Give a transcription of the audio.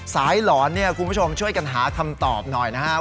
หลอนเนี่ยคุณผู้ชมช่วยกันหาคำตอบหน่อยนะครับ